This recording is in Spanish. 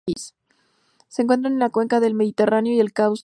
Se encuentra en la Cuenca del Mediterráneo y el Cáucaso.